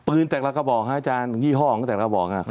ปืนแตกละกระบอกนะอาจารย์ยี่ห้องแตกละกระบอกนะ